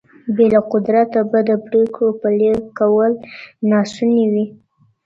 بې له قدرته به د پرېکړو پلي کول ناسوني وي.